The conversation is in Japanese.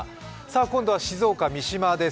今度は静岡・三島です。